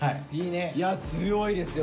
いや強いですよ。